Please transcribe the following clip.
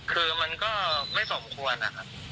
คือมันก็ไม่สมควรนะครับ